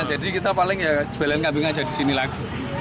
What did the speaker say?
jadi kita paling jualan kambing aja di sini lagi